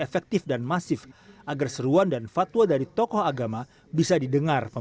pertempuran agama yang berbeda dengan agama lain pertemuan di oslo norwegia diadakan untuk menyusun strategi